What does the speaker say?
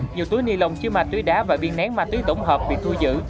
nhiều túi ni lông chứa ma túy đá và viên nén ma túy tổng hợp bị thu giữ